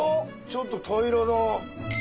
ちょっと平らだ。